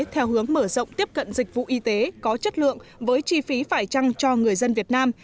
theo hướng mở rộng tiếp cận dịch vụ y tế có chất lượng với chi phí phải trăng cho người dân việt nam